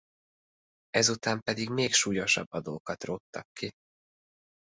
Ezután pedig még súlyosabb adókat róttak ki.